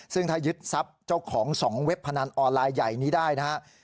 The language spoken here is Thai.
ซึ่งถ้ายึดทรัพย์เจ้าของ๒เว็บพนันออนไลน์ใหญ่นี้ได้นะครับ